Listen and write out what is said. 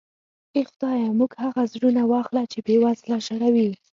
اې خدایه موږ هغه زړونه واخله چې بې وزله ژړوي.